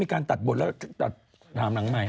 การตัดบทแล้วตัดถามหลังใหม่